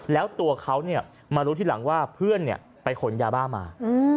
แล้วตัวเขามารู้ทีหลังว่าเพื่อนไปขนยาบ้ามา